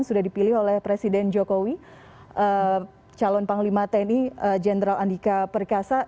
sudah dipilih oleh presiden jokowi calon panglima tni jenderal andika perkasa